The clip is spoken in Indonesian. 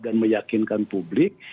dan meyakinkan publik